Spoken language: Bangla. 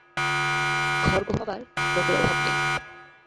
ঘর গোহাবার লোকের অভাব নেই।